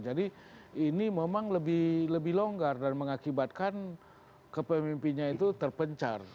jadi ini memang lebih longgar dan mengakibatkan kepemimpinannya itu terpencar